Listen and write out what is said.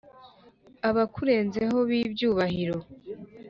Abakurenzeho b’ibyubahiro